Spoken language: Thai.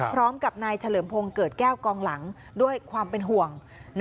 พร้อมกับนายเฉลิมพงศ์เกิดแก้วกองหลังด้วยความเป็นห่วง